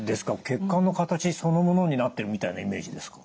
血管の形そのものになってるみたいなイメージですか。